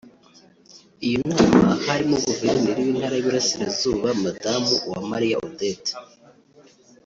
Iyi nama harimo Guverineri w’Intara y’Iburasirazuba Madamu Uwamariya Odette